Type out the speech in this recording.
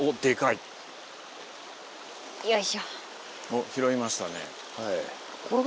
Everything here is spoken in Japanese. おっ拾いましたね。